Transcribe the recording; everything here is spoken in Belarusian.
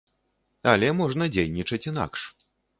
Але можна дзейнічаць інакш.